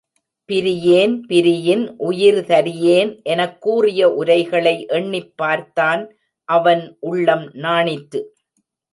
பிரியேன் பிரியின் உயிர்தரியேன்! எனக் கூறிய உரைகளை எண்ணிப் பார்த்தான் அவன் உள்ளம் நாணிற்று.